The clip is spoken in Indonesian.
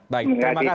baik terima kasih